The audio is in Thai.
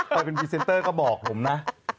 ไปเป็นพรีเซนเตอร์ก็บอกผมนะ